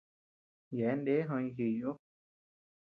Yeabean ndee joʼoy jiy ú.